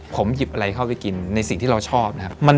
ผมหยิบอะไรเข้าไปกินในสิ่งที่เราชอบนะครับ